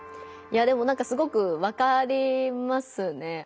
いやでもなんかすごくわかりますね。